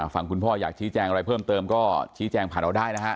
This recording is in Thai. ฝั่งคุณพ่ออยากชี้แจงอะไรเพิ่มเติมก็ชี้แจงผ่านเราได้นะฮะ